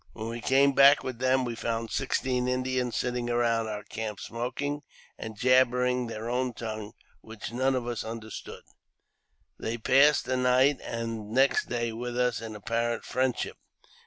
When we came back with them we found sixteen Indians, sitting around our camp smoking, and jabbering their own tongue, which none of us understood. They passed the night and next day with us in apparent friendship.